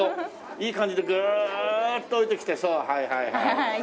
いい感じでぐーっと下りてきてそうはいはい。